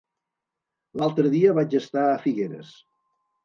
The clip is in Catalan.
L'altre dia vaig estar a Figueres.